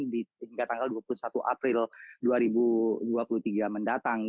hingga tanggal dua puluh satu april dua ribu dua puluh tiga mendatang